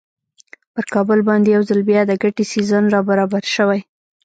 پر کابل باندې یو ځل بیا د ګټې سیزن را برابر شوی.